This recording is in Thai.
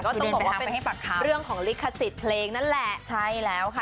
ต้องบอกว่าเป็นเรื่องของลิขสิทธิ์เพลงนั่นแหละใช่แล้วค่ะ